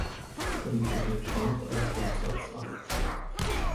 Britische Pfund als Umsatz an.